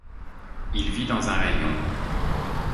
Il vit dans un rayon ;